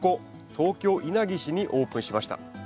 東京稲城市にオープンしました。